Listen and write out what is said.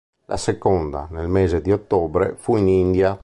La seconda, nel mese di ottobre, fu in India.